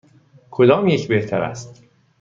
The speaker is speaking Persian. کدام یک بهتر است؟